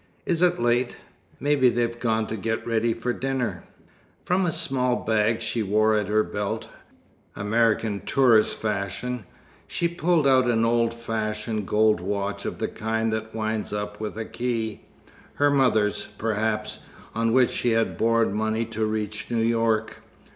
"Is it late? Maybe they've gone to get ready for dinner." From a small bag she wore at her belt, American tourist fashion, she pulled out an old fashioned gold watch of the kind that winds up with a key her mother's, perhaps, on which she had borrowed money to reach New York.